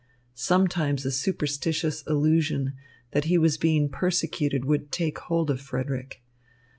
Sometimes a superstitious illusion that he was being persecuted would take hold of Frederick.